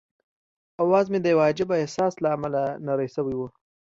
اواز مې د یوه عجيبه احساس له امله نری شوی وو.